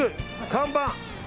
看板！